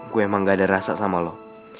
gue emang gak ada rasa sama lo